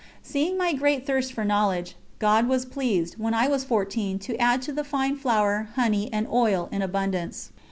Seeing my great thirst for knowledge, God was pleased, when I was fourteen, to add to the "fine flour," "honey" and "oil" in abundance.